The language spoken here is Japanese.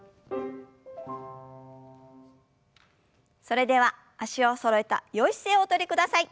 それでは脚をそろえたよい姿勢をおとりください。